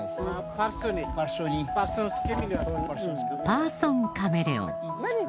パーソンカメレオン。